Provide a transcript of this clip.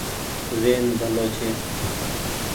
زهين ڀلو ڇي۔